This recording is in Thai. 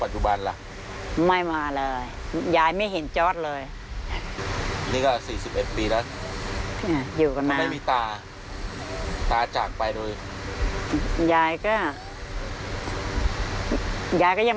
อยู่กับน้ำ